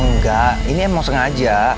enggak ini emang sengaja